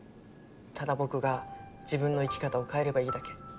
ただ僕が自分の生き方を変えればいいだけ。